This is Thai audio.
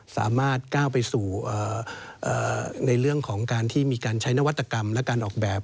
สามารถก้าวไปสู่ในเรื่องของการที่มีการใช้นวัตกรรมและการออกแบบ